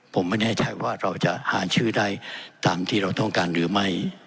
ผมไม่แน่ใจว่าเราจะหาชื่อได้ตามที่เราต้องการหรือไม่